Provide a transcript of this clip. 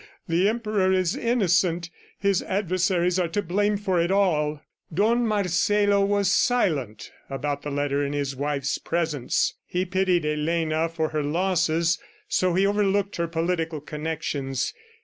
The Emperor is innocent. His adversaries are to blame for it all ..." Don Marcelo was silent about the letter in his wife's presence. He pitied Elena for her losses, so he overlooked her political connections.